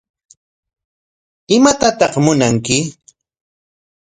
¿Imatataq munanki?